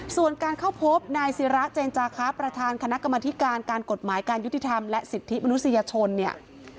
ส่วนการเข้าพบนายศิราเจนจาคะประธานคณะกรรมธิการการกฎหมายการยุติธรรมและสิทธิมนุษยชนเนี่ย